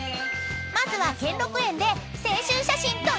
［まずは兼六園で青春写真撮りまくり！］